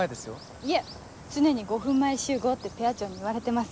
いえ常に５分前集合ってペア長に言われてますんで。